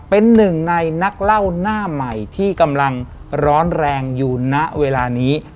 เป็นหนึ่งในนักเล่าหน้าใหม่ที่กำลังร้อนแรงอยู่ณเวลานี้